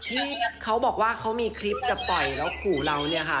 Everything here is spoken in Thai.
ที่เขาบอกว่าเขามีคลิปจะปล่อยแล้วขู่เราเนี่ยค่ะ